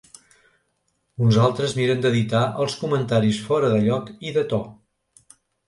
Uns altres miren d’editar els comentaris fora de lloc i de to.